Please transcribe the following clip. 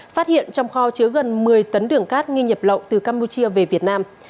phát hiện trong kho chứa gần một mươi tấn đường cát nghi nhập lậu từ campuchia về việt nam